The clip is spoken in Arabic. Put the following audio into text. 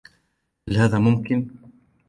هل هذا ممكن ؟